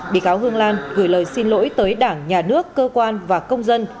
bị cáo hương lan gửi lời xin lỗi tới đảng nhà nước cơ quan và công dân